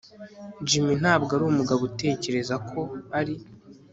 Jim ntabwo ari umugabo utekereza ko ari